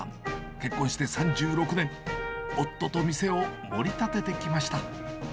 結婚して３６年、夫と店を盛り立ててきました。